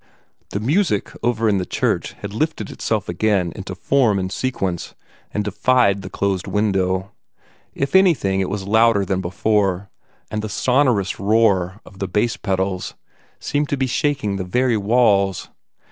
The music over in the church had lifted itself again into form and sequence, and defied the closed window. If anything, it was louder than before, and the sonorous roar of the bass pedals seemed to be shaking the very walls.